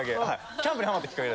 キャンプにハマったキッカケ。